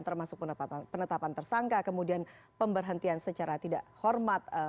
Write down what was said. termasuk penetapan tersangka kemudian pemberhentian secara tidak hormat